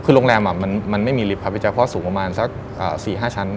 คือโรงแรมมันไม่มีลิฟต์ครับพี่แจ๊เพราะสูงประมาณสัก๔๕ชั้น